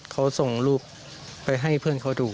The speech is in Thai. เขาส่งรูปไปให้เพื่อนเขาดู